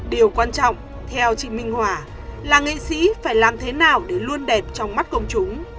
điều quan trọng theo chị minh hòa là nghệ sĩ phải làm thế nào để luôn đẹp trong mắt công chúng